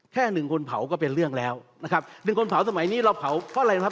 แค่หนึ่งคนเผาก็เป็นเรื่องแล้วนะครับหนึ่งคนเผาสมัยนี้เราเผาเพราะอะไรนะครับ